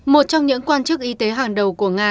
một trong những quan chức y tế hàng đầu của nga